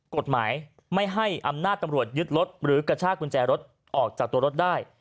กฎหมายไม่ให้อำนาจตำรวจยึดรถหรือกระชากกุญแจรถออกจากตัวรถได้